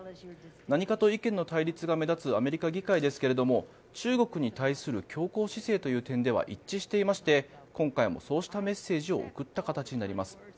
何かと意見の対立が目立つアメリカ議会ですが中国に対する強硬姿勢という点では一致していまして今回もそうしたメッセージを送った形になります。